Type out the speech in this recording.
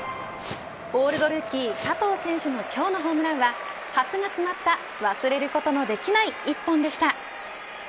オールドルーキー加藤選手の今日のホームランは初が詰まった忘れることもできない一本でした。